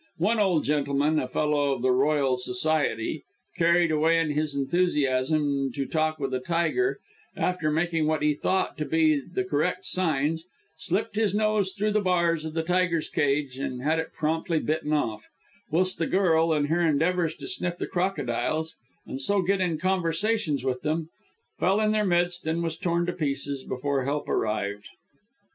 One old gentleman a Fellow of the Royal Society carried away in his enthusiasm to talk with a tiger, after making what he thought to be the correct signs, slipped his nose through the bars of the tiger's cage, and had it promptly bitten off whilst a girl, in her endeavours to sniff the crocodiles, and so get in conversation with them, fell in their midst, and was torn to pieces before help arrived.